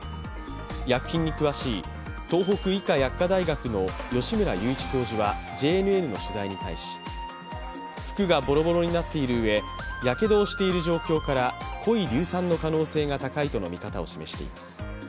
薬品に詳しい東北医科薬科大学の吉村祐一教授はＪＮＮの取材に対し、服がぼろぼろになっているうえやけどをしている状況から濃い硫酸の可能性が高いとの見方を示しています。